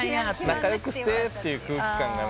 仲良くしてっていう空気感が。